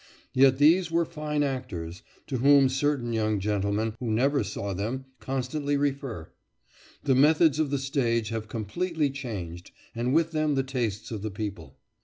Yet these were fine actors, to whom certain young gentlemen, who never saw them, constantly refer. The methods of the stage have completely changed, and with them the tastes of the people.